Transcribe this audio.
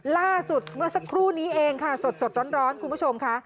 ล่าสุดเมื่อสักครู่นี้เองค่ะสดร้อนคุณผู้ชมค่ะ